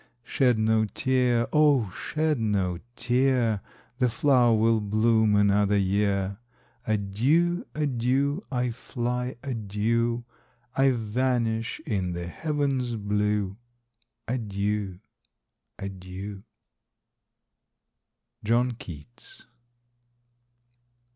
Shed no tear!—O shed no tear! The flower will bloom another year. Adieu!—adieu!—I fly, adieu— I vanish in the heaven's blue. Adieu!—adieu! —John Keats.